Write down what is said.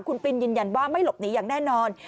คุณปินยืนยันว่าไม่หลบหนีอย่างแน่นอน